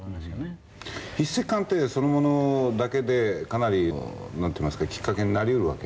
筆跡鑑定そのものだけで何ていいますかきっかけになり得るわけ。